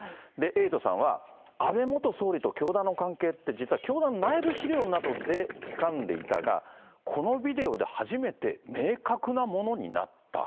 エイトさんは、安倍元総理と教団の関係って、実は教団内部資料などでつかんでいたが、このビデオで初めて明確なものになった。